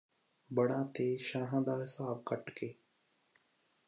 ¦ਬੜਾਂ ਤੇ ਸ਼ਾਹਾਂ ਦਾ ਹਿਸਾਬ ਕੱਟ ਕੇ